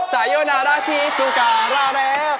สายโยนาราชิสุการาแล้ว